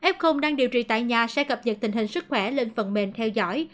f đang điều trị tại nhà sẽ cập nhật tình hình sức khỏe lên phần mềm theo dõi